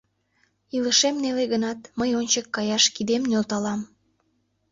Илышем неле гынат, мый ончык каяш кидем нӧлталам!